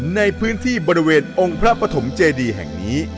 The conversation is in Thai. ในพื้นที่บริเวณองค์พระปฐมเจดีแห่งนี้